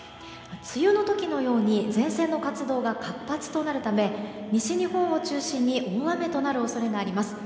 梅雨の時のように前線の活動が活発となるため西日本を中心に大雨となる恐れがあります。